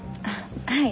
はい。